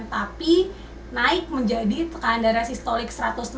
tapi naik menjadi tekan darah sistolik satu ratus enam puluh